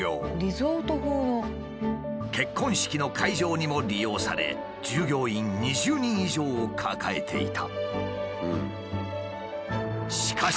結婚式の会場にも利用され従業員２０人以上を抱えていた。